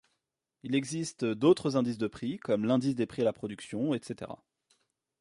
Il existe d’autres indices de prix, comme l’indice des prix à la production, etc.